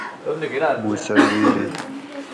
مصوری